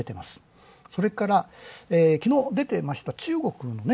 それから昨日出てました